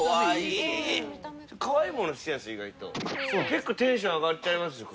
結構テンション上がっちゃいますよ